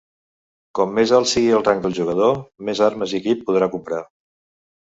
Com més alt sigui el rang del jugador, més armes i equip podrà comprar.